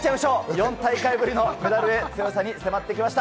４大会ぶりのメダル、迫ってきました。